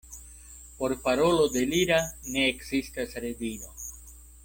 Por parolo delira ne ekzistas rediro.